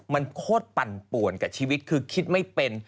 มันโคตรปั่นป่วนกับชีวิตคือคิดไม่เป็น